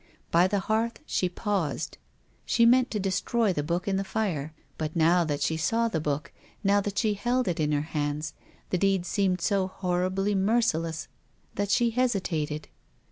By the hearth she paused. She meant to destroy the book in the fire. But now that she saw the book, now that she held it in her hands, the deed seemed so horribly merciless that she hesitated.